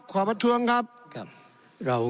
ท่านประธานที่ขอรับครับ